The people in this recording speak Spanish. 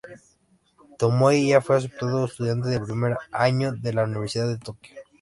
Tomoe ya fue aceptado estudiante de primer año de la universidad de Tokio.